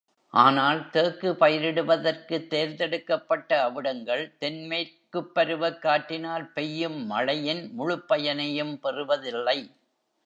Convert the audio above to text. ஆனால், தேக்கு பயிரிடுவதற்குத் தேர்ந்தெடுக்கப்பட்ட அவ்விடங்கள், தென் மேற்குப் பருவக்காற்றினால் பெய்யும் மழையின் முழுப் பயனையும் பெறுவதில்லை.